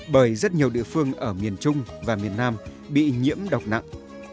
bởi rất nhiều địa phương ở miền trung và miền nam bị nhiễm độc nặng